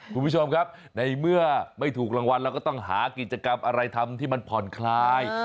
คุณผู้ชมครับในเมื่อไม่ถูกรางวัลเราก็ต้องหากิจกรรมอะไรทำที่มันผ่อนคลาย